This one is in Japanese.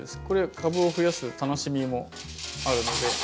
これ株を増やす楽しみもあるので。